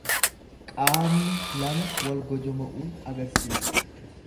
Qaamni lama wal gojoma'uu agarsiisa.